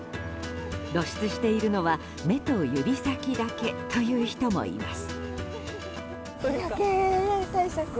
露出しているのは目と指先だけという人もいます。